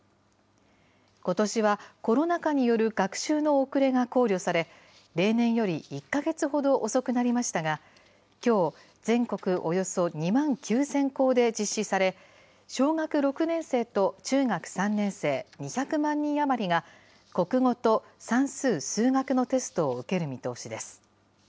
ことしはコロナ禍による学習の遅れが考慮され、例年より１か月ほど遅くなりましたが、きょう、全国およそ２万９０００校で実施され、小学６年生と中学３年生２００万人余りが国語と算数・数学のテストを受ける見通しです。